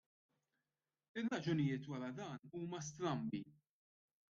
Ir-raġunijiet wara dan huma strambi.